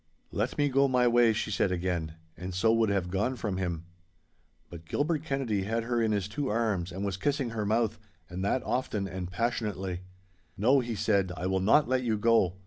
'Let me go my way!' she said again. And so would have gone from him. But Gilbert Kennedy had her in his two arms and was kissing her mouth, and that often and passionately. 'No,' he said, 'I will not let you go.